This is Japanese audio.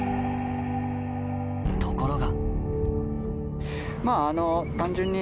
ところが。